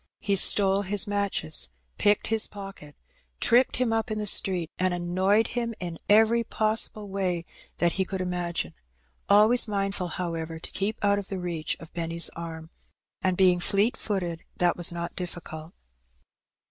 He stole his matches, picked his pocket, tripped him up in the street, and annoyed him in every possible way that he could imagine, always mindfiil, however, to keep out of the reach of Benny's arm; and, being fleet footed, that was not difficult.